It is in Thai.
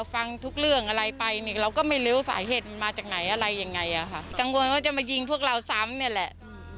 กังวลว่าจะมายิงพวกเราซ้ำนี่แหละ